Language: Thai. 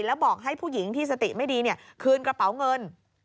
แล้วบอกให้ผู้หญิงที่สติไม่ดีคืนกระเป๋าเงิน